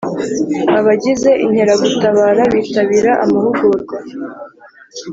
Abagize Inkeragutabara bitabira amahugurwa.